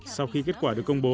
sau khi kết quả được công bố